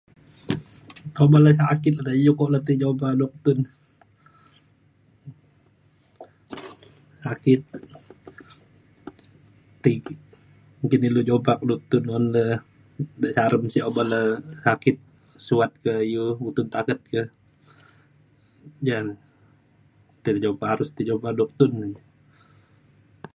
Kuman la'at ake idei ya pe un jopa duktun ake ti gin ilu jopa duktun un le [unintelligible] oban le sakit suat pe yoo sukat taket ya, ya cun arus tai jopak duktun